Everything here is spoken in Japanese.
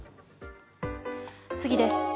次です。